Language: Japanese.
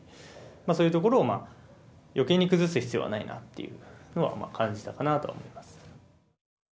そういうところを余計に崩す必要はないなっていうのは感じたかなとは思います。